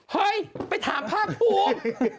เฮ้ยไปถามภาคภูมิ